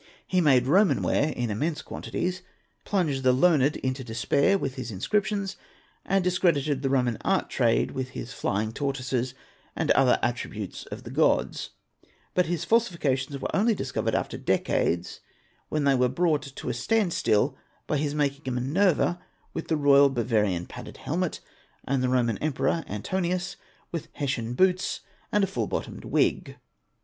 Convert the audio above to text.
He made Roman ware in immense quantities, plunged the learned in despair with his inscriptions, and discredited the Roman art trade with his flying tortoises and other attributes of the Gods; but his falsifications were only dis covered after decades when they were brought to a standstill by his — making a Minerva with the royal Bavarian padded helmet, and the Roman Emperor, Antoninus, with Hessian boots and a full bottomed — wig.